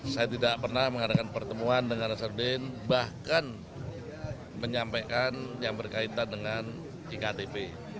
saya tidak pernah mengadakan pertemuan dengan nasaruddin bahkan menyampaikan yang berkaitan dengan iktp